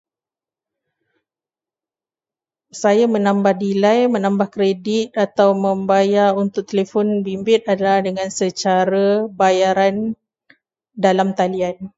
Saya menambah nilai, menambah kredit atau membayar untuk telefon bimbit adalah dengan secara bayaran dalam talian.